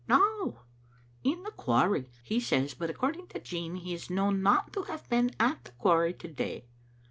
"No; in the quarry, he says, but according to Jean he is known not to have been at the quarry to day.